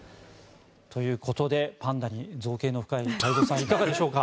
ということでパンダに造詣の深い太蔵さん、いかがでしょうか。